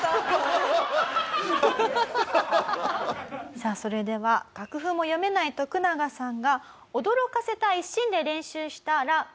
さあそれでは楽譜も読めないトクナガさんが驚かせたい一心で練習した『ラ・カンパネラ』。